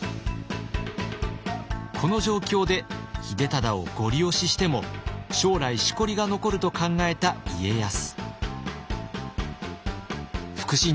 この状況で秀忠をゴリ押ししても将来しこりが残ると考えた家康。